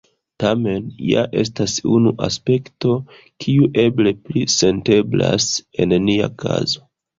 Tamen, ja estas unu aspekto, kiu eble pli senteblas en nia kazo.